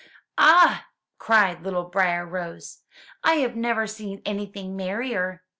"Ah!" cried little Briar rose, "I have never seen anything merrier!"